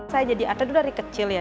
saya jadi atlet dulu dari kecil ya